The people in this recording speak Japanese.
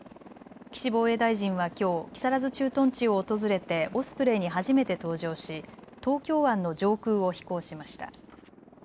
岸防衛大臣はきょう、木更津駐屯地を訪れてオスプレイに初めて搭乗し東京湾の上空を飛行しました。